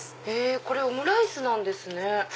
これオムライスなんですね。